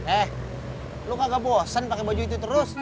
eh lo kagak bosan pake baju itu terus